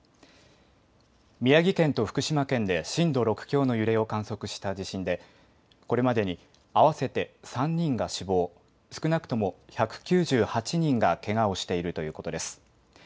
宮城県と福島県で震度６強の揺れを観測した地震でこれまでに合わせて３人が死亡、少なくとも１９８人がけがをしているということです。